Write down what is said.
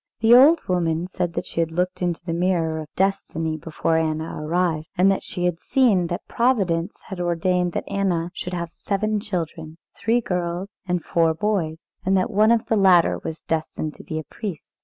The old woman said that she had looked into the mirror of destiny, before Anna arrived, and she had seen that Providence had ordained that Anna should have seven children, three girls and four boys, and that one of the latter was destined to be a priest.